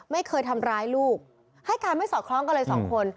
ไม่เคยทำร้ายลูกให้การไม่สอดคล้องกันเลยสองคน